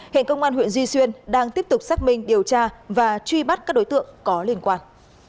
hiện công an huyện duy xuyên đang tiếp tục xác minh điều tra và truy bắt các đối tượng có liên quan